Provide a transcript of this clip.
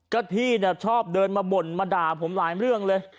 ก็พี่เนี่ยชอบเดินมาบ่นมาด่าผมหลายเรื่องเลย